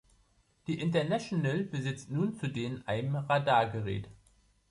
Die „International“ besitzt nun zudem ein Radargerät.